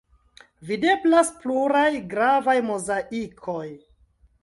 Videblas pluraj gravaj mozaikoj.